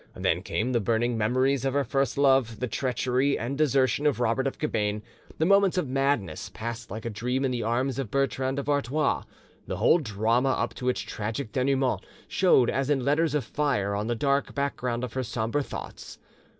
Then came the burning memories of her first love, the treachery and desertion of Robert of Cabane, the moments of madness passed like a dream in the arms of Bertrand of Artois—the whole drama up to its tragic denouement showed as in letters of fire on the dark background of her sombre thoughts.